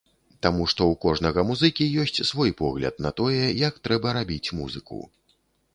Таму што ў кожнага музыкі ёсць свой погляд на тое, як трэба рабіць музыку.